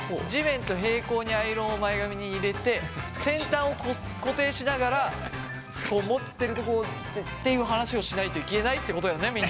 地面と平行にアイロンを前髪に入れて先端を固定しながらこう持ってるとこ。っていう話をしないといけないってことよね？